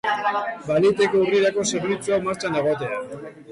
Baliteke urrirako zerbitzu hau martxan egotea.